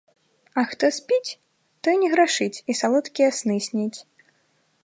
А хто спіць, той не грашыць і салодкія сны сніць.